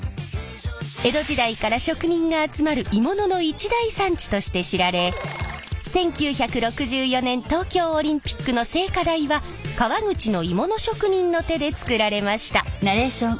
江戸時代から職人が集まる鋳物の一大産地として知られ１９６４年東京オリンピックの聖火台は川口の鋳物職人の手で作られました。